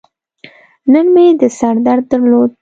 نن مې د سر درد درلود.